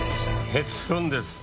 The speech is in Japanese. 結論です。